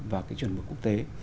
vào cái chuẩn mực quốc tế